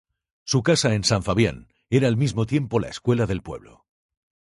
Su casa en San Fabián era al mismo tiempo la escuela del pueblo.